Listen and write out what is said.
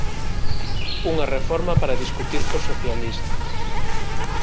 Unha reforma para discutir cos socialistas